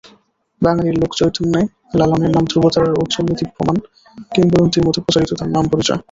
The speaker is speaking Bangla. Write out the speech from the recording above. বাঙালির লোকচৈতন্যে লালনের নাম ধ্রুবতারার ঔজ্জ্বল্যে দীপ্তিমান, কিংবদন্তির মতো প্রচারিত তাঁর নাম-পরিচয়।